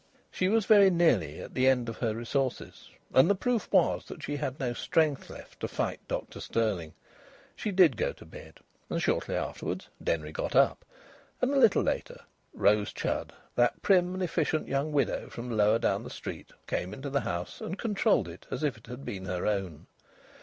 She was very nearly at the end of her resources. And the proof was that she had no strength left to fight Dr Stirling. She did go to bed. And shortly afterwards Denry got up. And a little later, Rose Chudd, that prim and efficient young widow from lower down the street, came into the house and controlled it as if it had been her own.